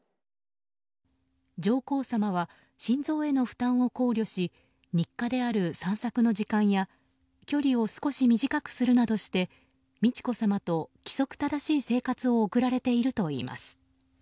上皇さまは心臓への負担を考慮し日課である散策の時間や距離を少し短くするなどして美智子さまと規則正しい生活を送られているといいます。